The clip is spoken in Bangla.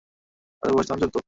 তাদের বয়স তখন চৌদ্দ।